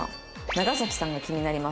「長さんが気になります」。